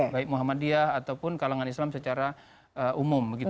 baik muhammadiyah ataupun kalangan islam secara umum